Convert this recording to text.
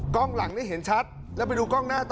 กล้องหลังนี่เห็นชัดแล้วไปดูกล้องหน้าต่อ